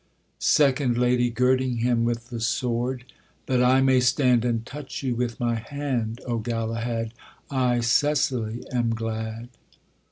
SECOND LADY, girding him with the sword. That I may stand and touch you with my hand, O Galahad, I, Cecily, am glad.